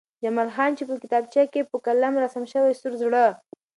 جمال خان چې په کتابچه کې په قلم رسم شوی سور زړه